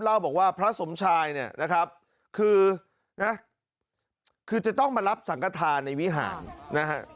เล่าบอกว่าพระสมชายเนี่ยนะครับคือนะคือจะต้องมารับสังกฐานในวิหารนะฮะ